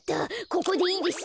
ここでいいです。